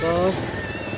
terima kasih pak